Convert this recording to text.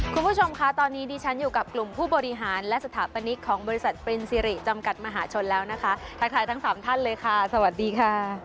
คุณผู้ชมคะตอนนี้ดิฉันอยู่กับกลุ่มผู้บริหารและสถาปนิกของบริษัทปรินซิริจำกัดมหาชนแล้วนะคะทักทายทั้งสามท่านเลยค่ะสวัสดีค่ะ